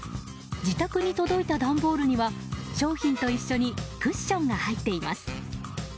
自宅に届いた段ボールには商品と一緒にクッションが入っています。